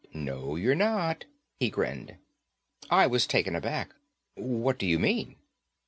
"No, you're not," he grinned. I was taken aback. "What do you mean?"